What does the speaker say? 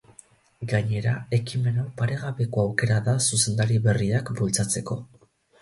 Gainera, ekimen hau paregabeko aukera da zuzendari berriak bultzatzeko.